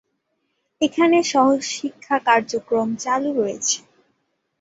এখানে সহশিক্ষা কার্যক্রম চালু রয়েছে।